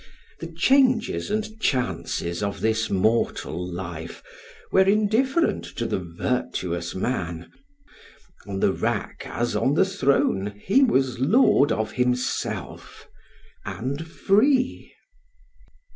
The changes and chances of this mortal life were indifferent to the virtuous man; on the rack as on the throne he was lord of himself and free.